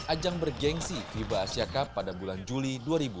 ajang bergensi fiba asia cup pada bulan juli dua ribu dua puluh